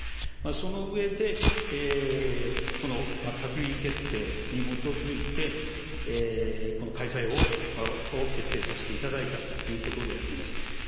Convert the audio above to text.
その上で、閣議決定に基づいてこの開催を決定させていただいたということであります。